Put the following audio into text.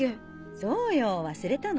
そうよ忘れたの？